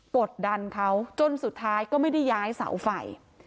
กดดันเขาจนสุดท้ายก็ไม่ได้ย้ายเสาไฟ